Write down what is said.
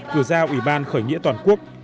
cửa giao ủy ban khởi nghĩa toàn quốc